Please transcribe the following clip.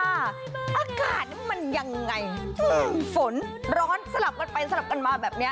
อากาศมันยังไงฝนร้อนสลับกันไปสลับกันมาแบบนี้